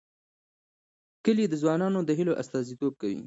کلي د ځوانانو د هیلو استازیتوب کوي.